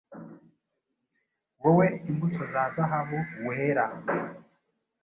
Wowe imbuto za zahabu wera,